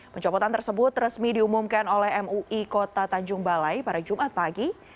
pencopotan tersebut resmi diumumkan oleh mui kota tanjung balai pada jumat pagi